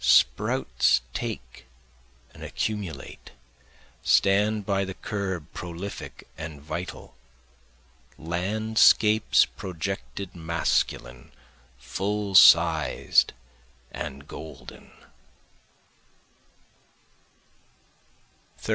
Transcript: Sprouts take and accumulate, stand by the curb prolific and vital, Landscapes projected masculine, full sized and golden.